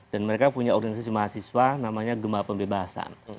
dan mereka punya organisasi mahasiswa namanya gemah pembebasan